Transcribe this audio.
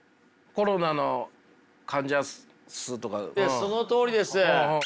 ええそのとおりです。